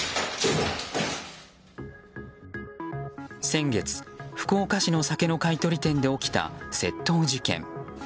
先月、福岡市の酒の買い取り店で起きた窃盗事件。